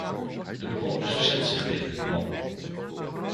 De bewoners verzetten zich tegen dit plan.